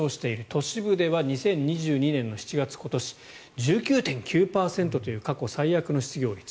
都市部では２０２２年の７月今年１９．９％という過去最悪の失業率。